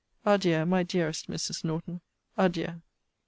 Adieu, my dearest Mrs. Norton! Adieu!